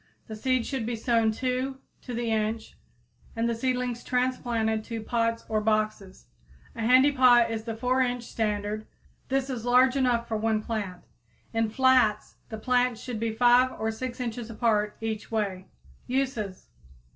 The seeds should be sown two to the inch and the seedlings transplanted to pots or boxes. A handy pot is the 4 inch standard; this is large enough for one plant. In flats the plants should be 5 or 6 inches apart each way. _Uses.